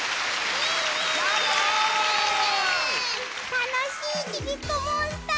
たのしいちびっこモンスター。